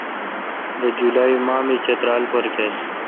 بہ جولالی ماہ می چترال پر گیس۔